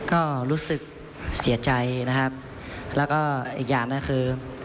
ก็รู้สึกเสียใจนะครับแล้วก็อีกอย่างก็คือ